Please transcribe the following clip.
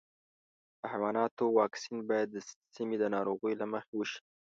د حیواناتو واکسین باید د سیمې د ناروغیو له مخې وشي.